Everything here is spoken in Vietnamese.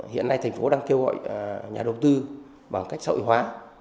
hiện nay thành phố đang kêu gọi nhà đầu tư bằng cách sợi hóa